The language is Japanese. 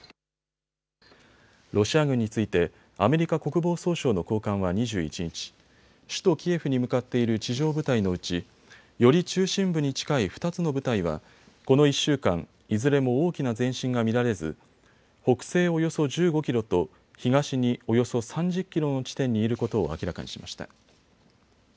ロシア軍についてアメリカ国防総省の高官は２１日、首都キエフに向かっている地上部隊のうちより中心部に近い２つの部隊はこの１週間、いずれも大きな前進が見られず北西およそ１５キロと東におよそ３０キロの地点にいることを明らかにしました。